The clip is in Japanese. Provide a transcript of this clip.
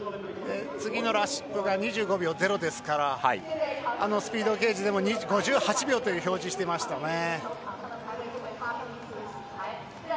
次のラップが２５秒０ですからスピードゲージでも５８秒という表示でした。